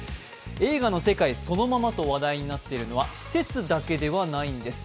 映画の世界そのままと話題になっているのは施設だけではないんです。